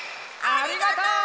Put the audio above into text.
ありがとう！